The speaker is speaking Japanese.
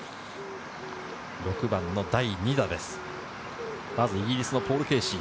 ６番の第２打です。